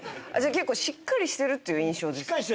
じゃあ結構しっかりしてるっていう印象ですか？